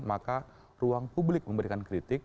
maka ruang publik memberikan kritik